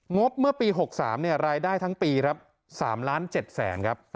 งบเมื่อปี๖๓เนี่ยรายได้ทั้งปีครับ๓๗๐๐๐๐๐ครับ